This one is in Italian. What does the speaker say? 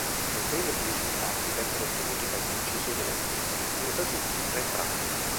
Notevoli risultati vennero ottenuti dagli incisori olandesi, primo fra tutti Rembrandt.